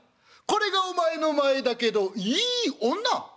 これがお前の前だけどいい女」。